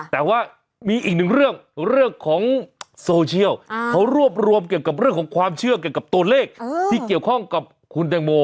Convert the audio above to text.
แต่ว่ามีอีกหนึ่งเรื่องเรื่องของโซเชียลเขารวบรวมเกี่ยวกับเรื่องของความเชื่อเกี่ยวกับตัวเลขที่เกี่ยวข้องกับคุณแตงโม